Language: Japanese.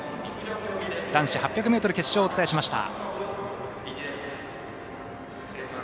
男子８００ｍ決勝をお伝えしました。